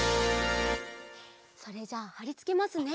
それじゃあはりつけますね。